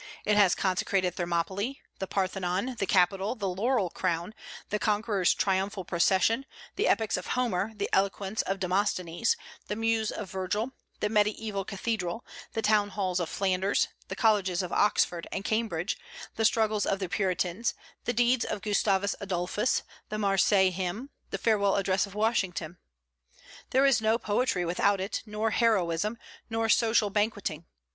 It has consecrated Thermopylae, the Parthenon, the Capitol, the laurel crown, the conqueror's triumphal procession, the epics of Homer, the eloquence of Demosthenes, the muse of Virgil, the mediaeval cathedral, the town halls of Flanders, the colleges of Oxford and Cambridge, the struggles of the Puritans, the deeds of Gustavus Adolphus, the Marseilles hymn, the farewell address of Washington. There is no poetry without it, nor heroism, nor social banqueting.